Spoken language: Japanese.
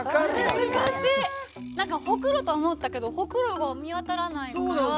何かほくろと思ったけどほくろが見当たらないから。